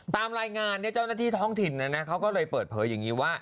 ตามรายงานเจ้าหน้าที่ท้องถิ่นเขาก็เลยเปิดเผยอย่างนี้ว่า